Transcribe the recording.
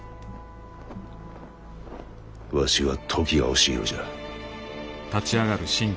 わしは時が惜しいのじゃ。